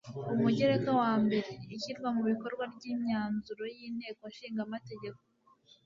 UMUGEREKA WA MBERE ISHYIRWA MU BIKORWA RY IMYANZURO Y INTEKO ISHINGA AMATEGEKO